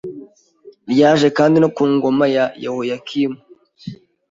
Ryaje kandi no ku ngoma ya Yehoyakimu